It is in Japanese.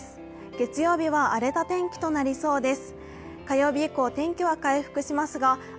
月曜日は荒れた天気となりそうです。